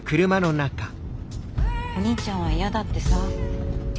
お兄ちゃんは嫌だってさ。